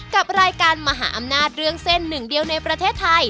กับรายการมหาอำนาจเรื่องเส้นหนึ่งเดียวในประเทศไทย